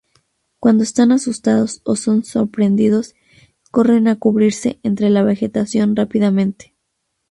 Cuando están asustados o son sorprendidos corren a cubrirse entre la vegetación rápidamente.